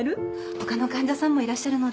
ほかの患者さんもいらっしゃるので。